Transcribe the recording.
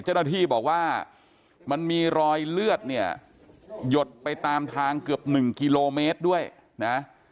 เจ้าหน้าที่บอกว่ามันมีรอยเลือดเนี่ยหยดไปตามทางเกือบ๑กิโลเมตรด้วยนะ